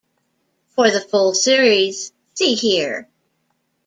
For the full series, see here.